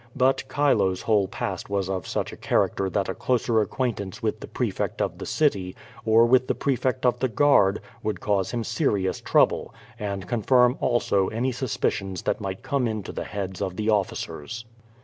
But Chilo's whole past was of such a character that a closer acquaintance with the prefect of the city, or with the prefect of the guard, would cause him serious trouble, and confirm also any suspicions that might come into the heads of the officers.